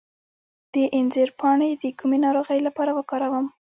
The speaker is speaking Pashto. د انځر پاڼې د کومې ناروغۍ لپاره وکاروم؟